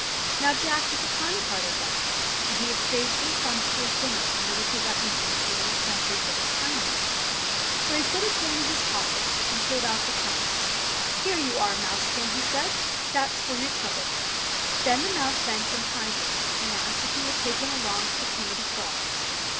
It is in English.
Now Jack was a kind hearted lad, and he had saved some crumbs from his dinner in order to rec ompense the little sentry for his kindness. So he put his hand in his pocket and pulled out the crumbs. THE GOLDEN SNUFF BOX 47 "Here you are, mousekin," he said. "That's for your trouble !" Then the mouse thanked him kindly and asked if he would take him along to the King of the Frogs.